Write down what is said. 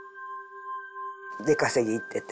出稼ぎ行ってて。